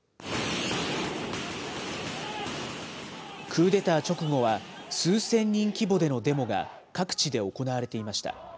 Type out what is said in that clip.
クーデター直後は、数千人規模でのデモが各地で行われていました。